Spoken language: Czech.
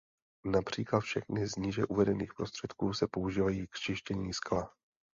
Například všechny z níže uvedených prostředků se používají k čištění skla.